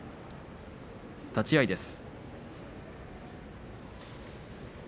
立ち合いです。